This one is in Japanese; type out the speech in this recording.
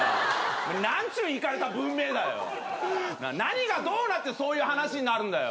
なんちゅういかれた文明だよ何がどうなってそういう話になるんだよ